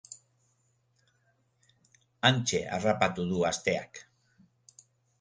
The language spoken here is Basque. Hantxe harrapatu du asteak.